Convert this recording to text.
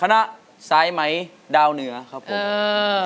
คณะข้าใส่ม๋ไหมดาวเหนือครับผม